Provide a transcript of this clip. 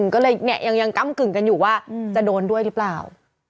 ก็เลยเนี่ยยังก้ำกึ่งกันอยู่ว่าจะโดนด้วยหรือเปล่า